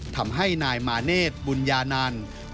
ทำให้นายมาเนธบุญญานันต์